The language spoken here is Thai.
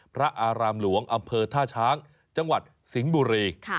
พระอารามหลวงอำเภอท่าช้างจังหวัดสิงห์บุรี